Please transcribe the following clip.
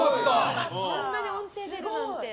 こんなに音程出るなんて。